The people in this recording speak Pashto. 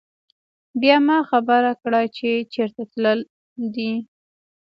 بيا ما خبر کړه چې چرته تلل دي